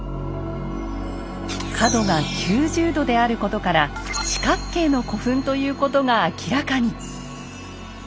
角が９０度であることから四角形の古墳ということが明らかに。